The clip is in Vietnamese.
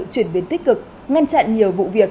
chuyển biến tích cực ngăn chặn nhiều vụ việc